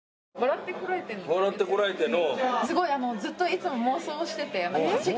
『笑ってコラえて！』の。